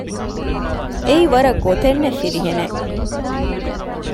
އެއީ ވަރަށް ގޮތެއްނެތް ފިރިހެނެއް